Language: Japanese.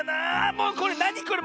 もうこれなにこれ！